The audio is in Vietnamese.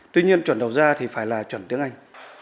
tuy nhiên chuẩn đầu ra thì phải là chuẩn tiếng anh